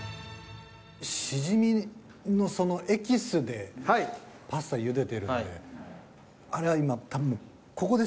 シジミのエキスでパスタ茹でてるんであれは今多分もう。